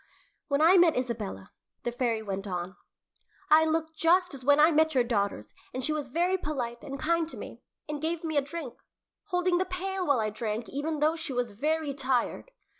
"When I met Isabella," the fairy went on, "I looked just as when I met your daughters, and she was very polite and kind to me, and gave me a drink, holding the pail while I drank, even though she was very tired.